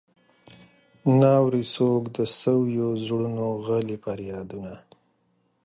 نه اوري څوک د سويو زړونو غلي فريادونه.